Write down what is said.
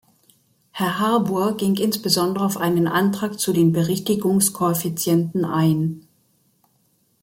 Herr Harbour ging insbesondere auf einen Antrag zu den Berichtigungskoeffizienten ein.